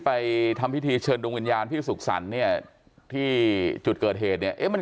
ไปทำพิธีเชิญดวงวิญญาณพี่สุขสรรค์เนี่ยที่จุดเกิดเหตุเนี่ยเอ๊ะมัน